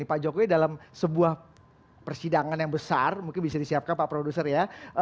pak jokowi dalam sebuah persidangan yang besar mungkin bisa disiapkan pak produser ya